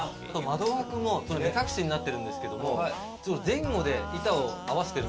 窓枠も目隠しになってるんですけども。